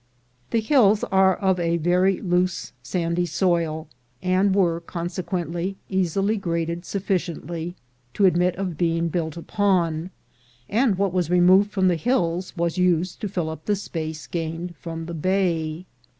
The hills are of a very A CITY IN THE MAKING 56 loose sandy soil, and were consequently easily graded sufficiently to admit of being built upon; and what was removed from the hills was used to fill up the space gained from the bay.